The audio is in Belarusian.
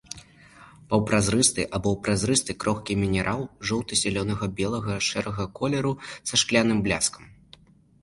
Паўпразрысты або празрысты крохкі мінерал жоўта-зялёнага, белага, шэрага колеру са шкляным бляскам.